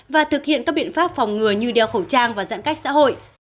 và thực hiện các biện pháp phòng ngừa như đeo khẩu trang và giãn cách xã hội